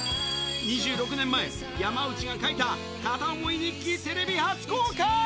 ２６年前、山内が書いた片思い日記テレビ初公開。